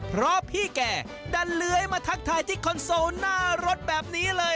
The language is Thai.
เพราะพี่แก่ดันเลื้อยมาทักทายที่คอนโซลหน้ารถแบบนี้เลย